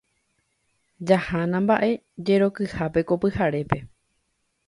Jahánamba'e jerokyhápe ko pyharépe.